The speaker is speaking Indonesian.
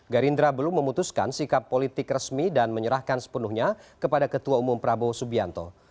gerindra belum memutuskan sikap politik resmi dan menyerahkan sepenuhnya kepada ketua umum prabowo subianto